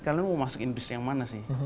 kalian mau masuk industri yang mana sih